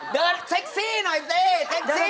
เดินเซ็กซี่หน่อยสิ